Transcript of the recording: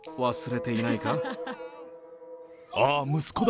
ああ、息子だ。